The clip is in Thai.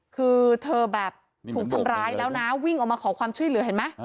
คือเธอแบบถูกทำร้ายแล้วนะวิ่งออกมาขอความช่วยเหลือเห็นไหม